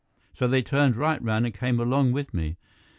So they turned right around and came along with me.